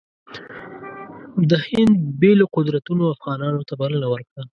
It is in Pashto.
د هند بېلو قدرتونو افغانانو ته بلنه ورکړه.